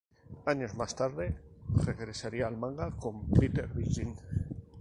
Años más tarde regresaría al manga con "Bitter Virgin".